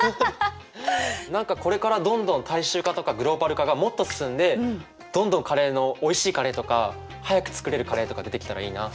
何かこれからどんどん大衆化とかグローバル化がもっと進んでどんどんカレーのおいしいカレーとか早く作れるカレーとか出てきたらいいな。